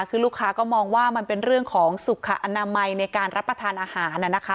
คือลูกค้าก็มองว่ามันเป็นเรื่องของสุขอนามัยในการรับประทานอาหาร